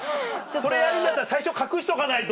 それやるんだったら最初隠しとかないと。